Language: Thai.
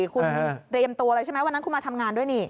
คุณเตรียมตัวเลยใช่ไหมวันนั้นคุณมาทำงานด้วยนี่